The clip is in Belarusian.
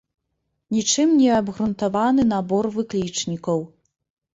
Нічым не абгрунтаваны набор выклічнікаў.